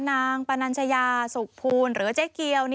ปนัญชยาสุขภูลหรือเจ๊เกียว